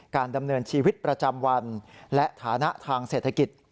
การดำเนินชีวิตประจำวันและฐานะทางเศรษฐกิจ